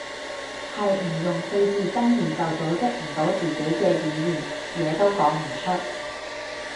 係唔用四字真言就組織唔到自己嘅語言，嘢都講唔出